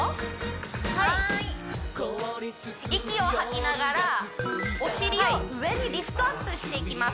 はい息を吐きながらお尻を上にリフトアップしていきます